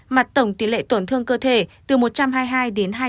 mặt tổng tỷ lệ tổn thương cơ thể từ một trăm hai mươi hai đến hai trăm linh